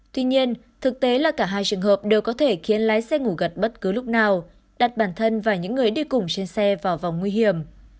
tuy nhiên thực tế là cả hai trường hợp đều có thể khiến lái xe ngủ gật bất cứ lúc nào đặt bản thân và những người đi cùng trên xe vào vòng nguy hiểm